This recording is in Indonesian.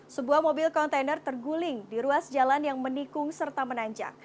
sebuah mobil kontainer terguling di ruas jalan yang menikung serta menanjak